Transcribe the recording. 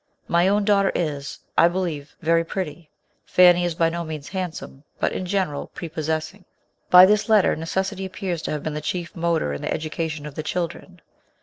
My own daughter is, I believe, verj pretty. Fanny is by no means handsome, but, in general, pre possessing. By this letter necessity appears to have been the chief motor in the education of the children.